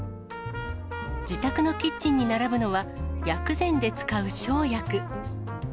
自宅のキッチンに並ぶのは、薬膳で使う生薬。